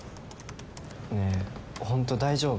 「ねえホント大丈夫？」